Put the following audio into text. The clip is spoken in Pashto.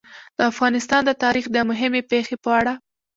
د افغانستان د تاریخ د مهمې پېښې په اړه.